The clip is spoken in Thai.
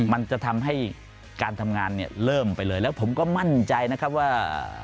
มันจะทำให้การทำงานเนี่ยเริ่มไปเลยแล้วผมก็มั่นใจนะครับว่า